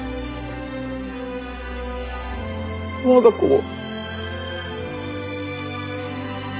我が子を。